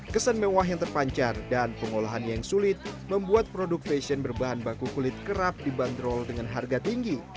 kesan mewah yang terpancar dan pengolahan yang sulit membuat produk fashion berbahan baku kulit kerap dibanderol dengan harga tinggi